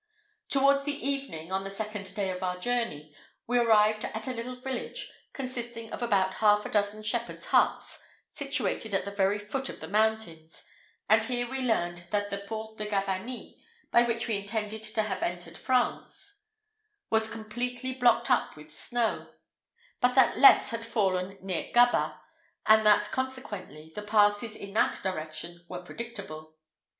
Towards the evening, on the second day of our journey, we arrived at a little village consisting of about half a dozen shepherds' huts, situated at the very foot of the mountains; and here we learned that the Port de Gavarnie, by which we intended to have entered France, was completely blocked up with snow; but that less had fallen near Gabas, and that, consequently, the passes in that direction were practicable.